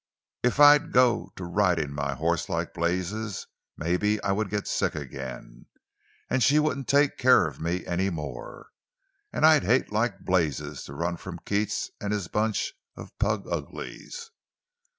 If I'd go to riding my horse like blazes, maybe I would get sick again. And she wouldn't take care of me anymore. And I'd hate like blazes to run from Keats and his bunch of plug uglies!"